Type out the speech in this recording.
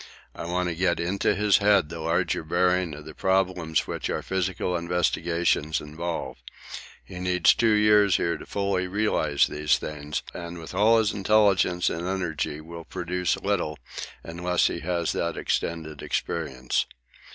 I want to get into his head the larger bearing of the problems which our physical investigations involve. He needs two years here to fully realise these things, and with all his intelligence and energy will produce little unless he has that extended experience.